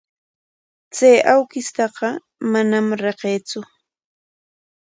Chay awkishtaqa manam riqsiitsu.